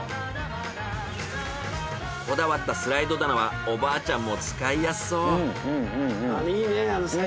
こだわったスライド棚はおばあちゃんも使いやすそう。